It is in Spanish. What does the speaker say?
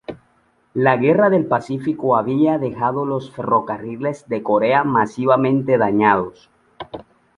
La guerra del Pacífico había dejado los ferrocarriles de Corea masivamente dañados.